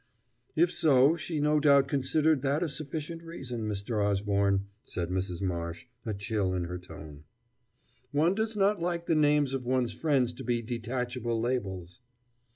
"If so, she no doubt considered that a sufficient reason, Mr. Osborne," said Mrs. Marsh, a chill in her tone. "One does not like the names of one's friends to be detachable labels."